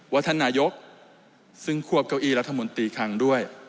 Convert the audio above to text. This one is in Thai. ท่านนายกซึ่งควบเก้าอี้รัฐมนตรีคลังด้วย